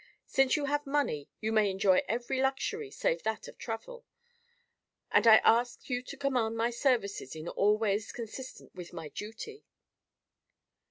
Since you have money, you may enjoy every luxury save that of travel, and I ask you to command my services in all ways consistent with my duty."